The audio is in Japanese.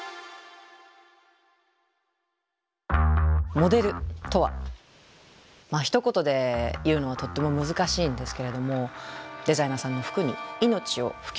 モデルとはまあひと言で言うのはとっても難しいんですけれどもデザイナーさんの服に命を吹き込む。